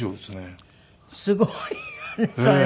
すごいわねそれ。